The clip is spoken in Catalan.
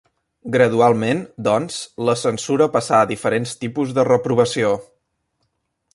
Gradualment, doncs, la censura passà a diferents tipus de reprovació.